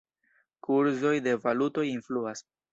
Kurzoj de valutoj influas.